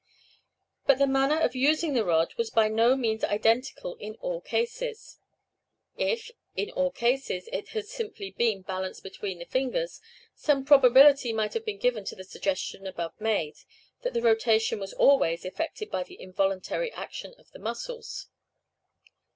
But the manner of using the rod was by no means identical in all cases. If, in all cases, it had simply been balanced between the fingers, some probability might be given to the suggestion above made, that the rotation was always effected by the involuntary action of the muscles.